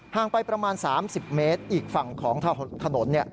งไปประมาณ๓๐เมตรอีกฝั่งของถนน